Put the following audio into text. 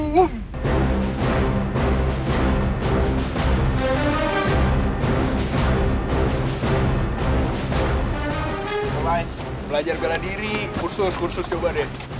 mulai belajar gara diri kursus kursus coba deh